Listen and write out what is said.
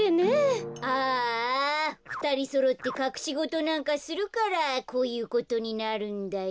ああふたりそろってかくしごとなんかするからこういうことになるんだよ。